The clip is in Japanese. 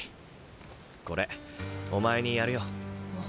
これお前にやるよ。